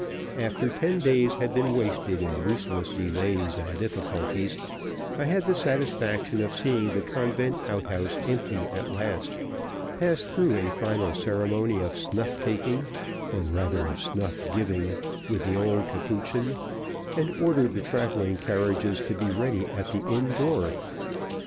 After ten days had been wasted in useless delays and difficulties, I had the satisfaction of seeing the convent outhouse empty at last; passed through a final ceremony of snuff taking, or rather, of snuff giving, with the old Capuchin, and ordered the traveling carriages to be ready at the inn door.